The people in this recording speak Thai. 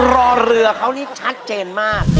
รอเรือเขานี่ชัดเจนมาก